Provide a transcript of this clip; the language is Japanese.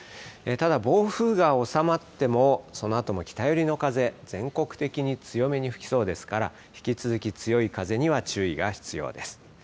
ただ、暴風が収まっても、そのあとも北寄りの風、全国的に強めに吹きそうですから、引き続き、強い風には注意が必要です。